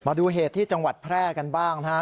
มาดูเหตุที่จังหวัดแพร่กันบ้างนะฮะ